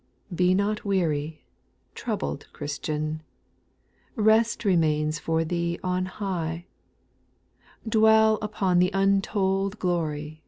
" Be not weary," troubled Christian, Rest remains for thee on high, Dwell upon the untold glory.